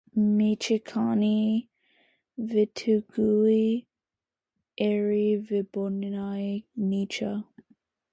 Mchikanye vitunguo eri vibonye nicha.